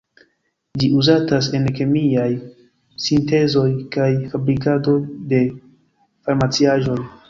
Ĝi uzatas en kemiaj sintezoj kaj fabrikado de farmaciaĵoj.